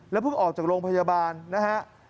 เพิ่งออกจากโรงพยาบาลนะฮะ